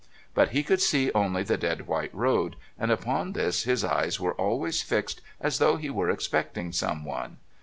But he could see only the dead white road, and upon this his eyes were always fixed as though he were expecting someone.